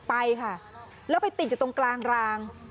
ไปค่ะแล้วไปติดอยู่ตรงกลางราง